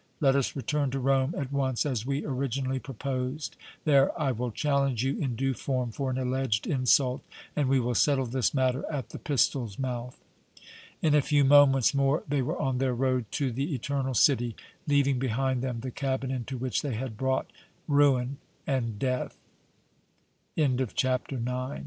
Let us return to Rome at once as we originally proposed. There I will challenge you in due form for an alleged insult, and we will settle this matter at the pistol's mouth!" In a few moments more they were on their road to the Eternal City, leaving behind them the cabin into which they had brought ruin and death! CHAPTER X. THE COUNTESS OF MON